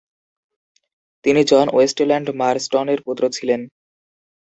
তিনি John Westland মারস্টনের পুত্র ছিলেন।